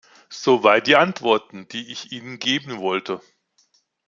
Soweit die Antworten, die ich Ihnen geben wollte.